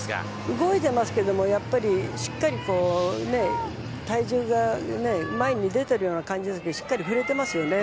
動いてますけれどもやっぱり、しっかり体重が前に出てるような感じですけどしっかり振れてますよね。